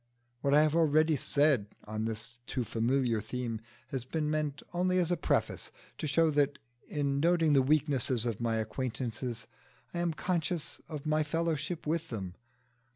What I have already said on this too familiar theme has been meant only as a preface, to show that in noting the weaknesses of my acquaintances I am conscious of my fellowship with them.